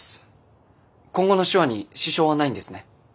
今後の手話に支障はないんですね？